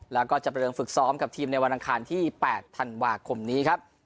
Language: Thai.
แล้วก็จะประเดิมฝึกซ้อมกับทีมในวันอังคารที่๘ธันวาคมนี้ครับ